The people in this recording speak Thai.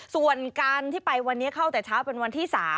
ส่วนการที่ไปวันนี้เข้าแต่เช้าเป็นวันที่๓